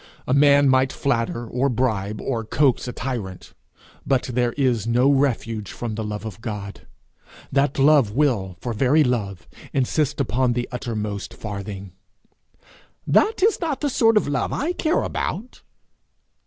A man might flatter, or bribe, or coax a tyrant; but there is no refuge from the love of God; that love will, for very love, insist upon the uttermost farthing. 'That is not the sort of love I care about!'